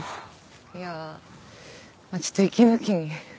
いやちょっと息抜きに。